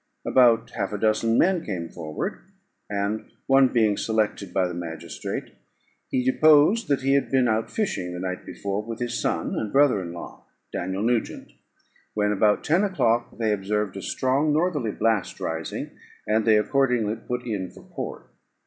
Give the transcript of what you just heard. About half a dozen men came forward; and, one being selected by the magistrate, he deposed, that he had been out fishing the night before with his son and brother in law, Daniel Nugent, when, about ten o'clock, they observed a strong northerly blast rising, and they accordingly put in for port.